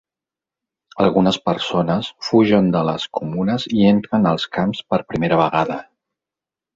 Algunes persones fugen de les comunes i entren als camps per primera vegada.